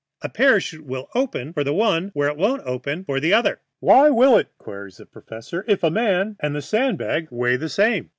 A parachute will open for the one where it won't open for the other." "Why will it," queries the professor, "if the man and the sand bag weigh the same?"